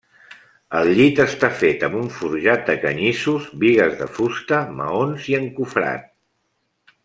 El llit està fet amb un forjat de canyissos, bigues de fusta, maons i encofrat.